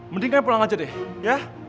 mending saya pulang aja deh ya